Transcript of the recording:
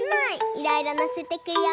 いろいろのせてくよ。